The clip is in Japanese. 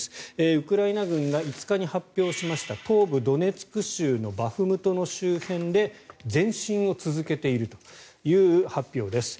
ウクライナ軍が５日に発表しました東部ドネツク州のバフムトの周辺で前進を続けているという発表です。